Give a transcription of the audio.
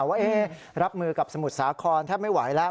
ว่ารับมือกับสมุทรสาครแทบไม่ไหวแล้ว